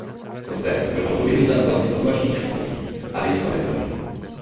Zde byl odpovědný za oblast informačních technologií a risk managementu.